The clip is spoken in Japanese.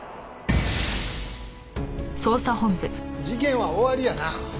事件は終わりやな。